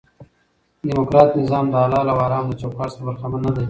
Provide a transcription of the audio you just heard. ډیموکراټ نظام دحلالو او حرامو د چوکاټ څخه برخمن نه دي.